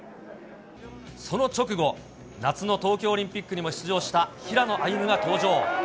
その直後、夏の東京オリンピックにも出場した平野歩夢が登場。